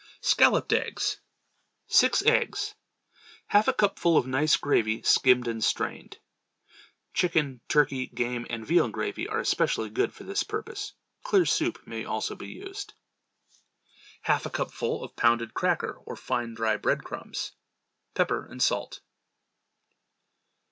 Scalloped Eggs. Six eggs. Half a cupful of nice gravy skimmed and strained. Chicken, turkey, game and veal gravy are especially good for this purpose. Clear soup may also be used. Half a cupful of pounded cracker or fine dry bread crumbs. Pepper and salt.